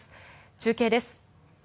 中継です。